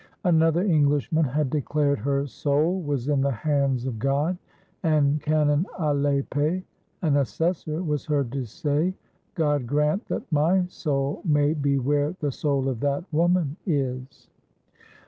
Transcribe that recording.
Another Englishman had declared her soul was in the hands of God; and Canon Alepee, an assessor, was heard to say: " God grant that my soul may be where the soul of that woman is."